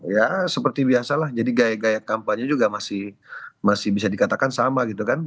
ya seperti biasalah jadi gaya gaya kampanye juga masih bisa dikatakan sama gitu kan